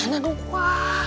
tidak ada dua